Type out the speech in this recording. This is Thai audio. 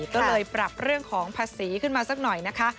ก็เลยปรับเรื่องของภาษีขึ้นมาสักหน่อยนะคะ